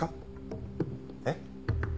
えっ？